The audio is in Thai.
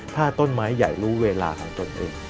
ถ้าต้นไม้ใหญ่รู้เวลาของตนเอง